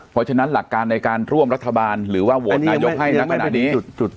เพราะฉะนั้นหลักการในการร่วมรัฐบาลหรือว่าโหวตนายกให้นักขณะนี้